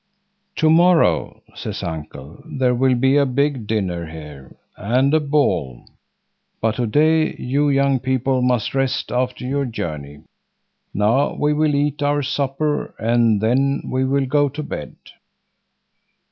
"To morrow," says uncle, "there will be a big dinner here, and a ball, but to day you young people must rest after your journey. Now we will eat our supper, and then we will go to bed."